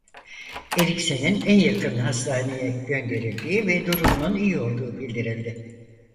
Eriksen'in en yakın hastaneye gönderildiği ve durumunun iyi olduğu bildirildi.